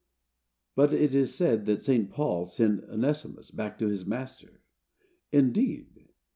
But it is said that St. Paul sent Onesimus back to his master. Indeed!